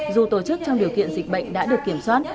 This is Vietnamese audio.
dù tổ chức trong điều kiện dịch bệnh đã được kiểm soát